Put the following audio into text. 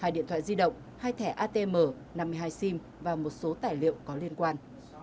hai điện thoại di động hai thẻ atm năm mươi hai sim và một số tài liệu có liên quan